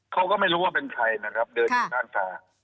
เขาก็ไม่รู้ว่าเป็นใครนะครับเดินอยู่ข้างตา